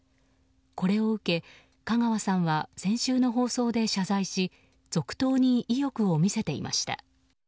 これを受け香川さんは先週の放送で謝罪し続投に意欲を見せていました。